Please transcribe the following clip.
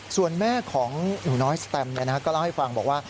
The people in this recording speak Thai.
ส่วนแม่ของหนูน้อยแสตมป์นะครับก็เล่าให้ฟังบอกว่า